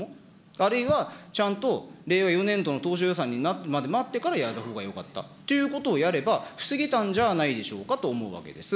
あるいは、ちゃんと令和４年度の当初予算になるまで待ってからやるほうがよかったということをやれば、防げたんじゃないかと思うわけです。